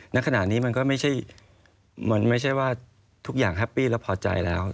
ในขณะนี้มันก็ไม่ใช่ว่าทุกอย่างแฮปปี้แล้วพอใจแล้ว